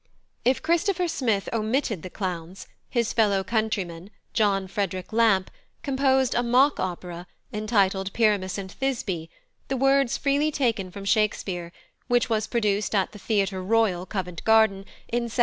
If Christopher Smith omitted the clowns, his fellow countryman, +John Frederick Lampe+, composed a mock opera, entitled Pyramus and Thisbe, the words freely taken from Shakespeare, which was produced at the Theatre Royal, Covent Garden, in 1745.